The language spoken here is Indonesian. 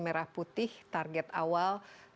merah putih target awal